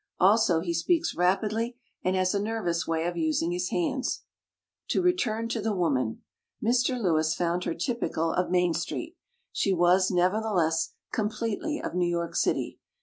Also, he speaks rapidly, and has a nervous way of using his hands. To return to the woman. Mr. Lewis found her typical THE GOSSIP SHOP 93 of "Main Street". She was, neverthe less, completely of New York City.